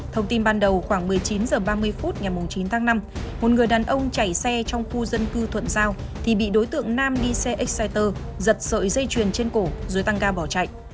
thông tin ban đầu khoảng một mươi chín h ba mươi phút ngày chín tháng năm một người đàn ông chạy xe trong khu dân cư thuận giao thì bị đối tượng nam đi xe exciter giật sợi dây chuyền trên cổ rồi tăng ga bỏ chạy